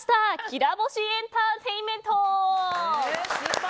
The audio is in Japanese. きら星エンターテインメント。